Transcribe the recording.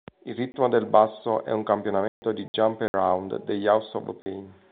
Il ritmo del basso è un campionamento di "Jump Around" degli House of Pain..